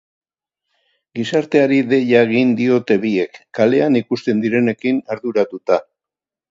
Gizarteari deia egin diote biek, kalean ikusten direnekin arduratuta.